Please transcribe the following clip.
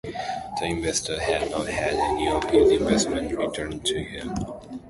The investor had not had any of his investment returned to him.